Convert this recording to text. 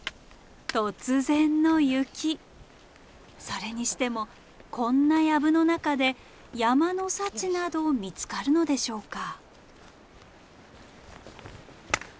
それにしてもこんなやぶの中で山の幸など見つかるのでしょうか？